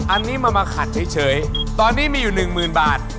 ๑๒๓๔อันนี้มามะขัดเฉยตอนนี้มีอยู่๑๐๐๐๐บาท